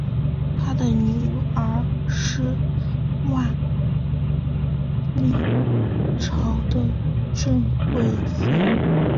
他的女儿是万历朝的郑贵妃。